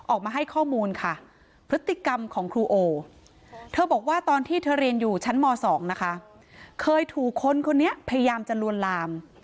ออกมาให้ข้อมูลค่ะพฤติกรรมของครูโอเธอบอกว่าตอนที่เธอเรียนอยู่ชั้นม๒นะคะเคยถูกคนคนนี้พยายามจะลวนลาม